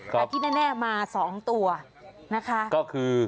ครับที่แน่มาสองตัวนะคะก็คือ